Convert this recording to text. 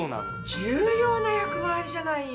重要な役回りじゃないよ。